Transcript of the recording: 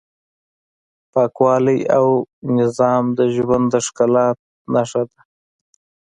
پاکوالی او نظم د ژوند د ښکلا نښه ده.